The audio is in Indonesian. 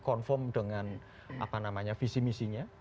conform dengan apa namanya visi misinya